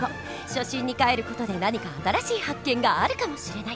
初心にかえる事で何か新しい発見があるかもしれない！